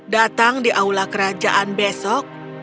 datang di aula kerajaan besok